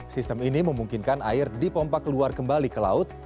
sistem ini memungkinkan air dipompak keluar kembali ke laut